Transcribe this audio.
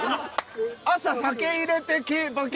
朝酒入れて馬券